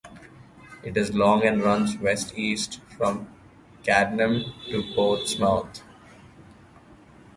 It is long and runs west-east from Cadnam to Portsmouth.